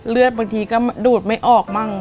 เลือดบางทีก็ดูดไม่ออกบ้าง